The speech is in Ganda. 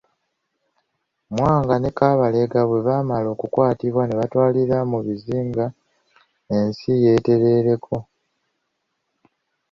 Mwanga ne Kabalega bwe baamala okukwatibwa ne batwalibwa mu bizinga, ensi yetereerako.